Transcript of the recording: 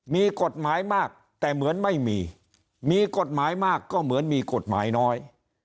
มีกฎหมายมากแต่เหมือนไม่มีมีกฎหมายมากก็เหมือนมีกฎหมายน้อย